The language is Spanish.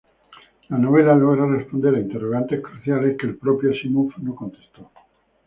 La novela logra responder a interrogantes cruciales que el propio Asimov no contestó.